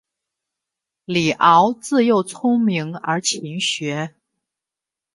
李鏊自幼聪明而勤学。